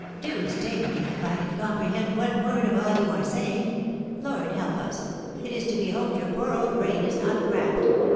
"Deuce take me, if I can comprehend one word of all you are saying! Lord, help us! It is to be hoped your poor old brain is not cracked.